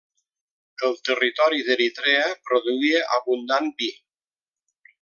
El territori d'Eritrea produïa abundant vi.